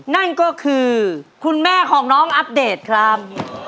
นั่นก็คือคุณแม่ของน้องอัปเดตครับ